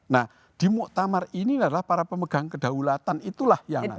nah di muktamar ini adalah para pemegang kedaulatan itulah yang nanti